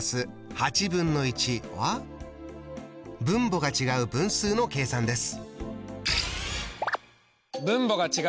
分母が違う分数の計算です。